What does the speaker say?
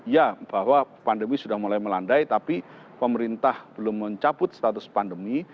ya bahwa pandemi sudah mulai melandai tapi pemerintah belum mencabut status pandemi